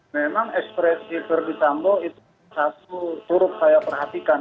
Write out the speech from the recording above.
memang ekspresi ferdisambo itu satu suruh saya perhatikan